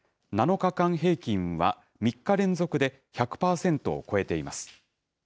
７日間平均は３日連続で１００％を超えています。